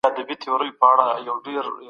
په حقیقت کي مینه شتون نه لري.